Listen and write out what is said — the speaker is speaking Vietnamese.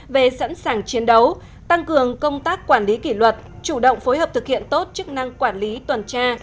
về sẵn sàng chiến đấu tăng cường công tác quản lý kỷ luật chủ động phối hợp thực hiện tốt chức năng quản lý tuần tra